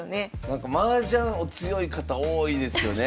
なんかマージャンお強い方多いですよね。